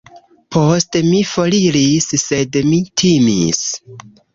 Poste mi foriris, sed mi timis.